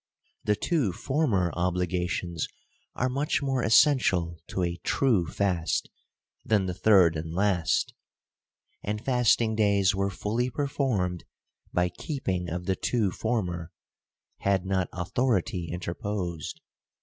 The two former obligations are much more essential to a true fast, than the third and last ; and fast ing days were fully performed by keeping of the two former, had not authority interposed.